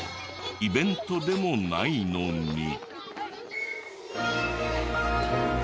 イベントでもないのに。